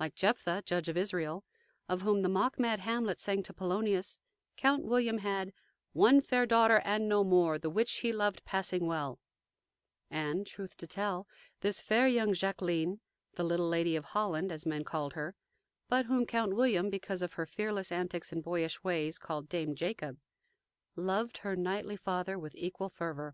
Like "Jephtha, Judge of Israel," of whom the mock mad Hamlet sang to Polonius, Count William had "One fair daughter, and no more, The which he loved passing well;" and, truth to tell, this fair young Jacqueline, the little "Lady of Holland," as men called her, but whom Count William, because of her fearless antics and boyish ways, called "Dame Jacob," (1) loved her knightly father with equal fervor.